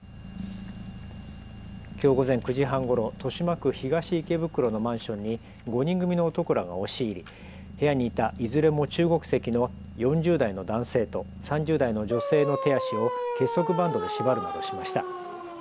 きょう午前９時半ごろ、豊島区東池袋のマンションに５人組の男らが押し入り部屋にいたいずれも中国籍の４０代の男性と３０代の女性の手足を結束バンドで縛るなどしました。